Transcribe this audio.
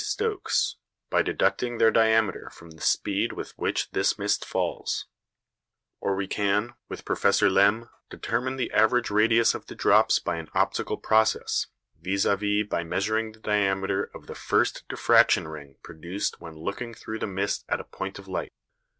Stokes, by deducting their diameter from the speed with which this mist falls; or we can, with Professor Lemme, determine the average radius of the drops by an optical process, viz. by measuring the diameter of the first diffraction ring produced when looking through the mist at a point of light.